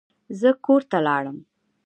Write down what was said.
زه کور ته لاړم.